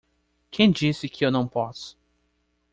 Quem disse que eu não posso?